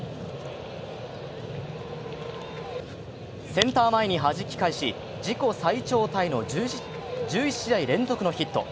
センター前にはじき返し、自己最長タイの１１試合連続ヒット。